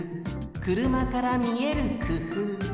くるまからみえるくふう。